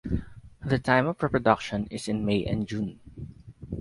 The time of reproduction is in May and June.